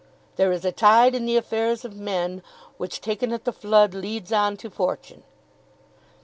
"There is a tide in the affairs of men, Which taken at the flood leads on to fortune."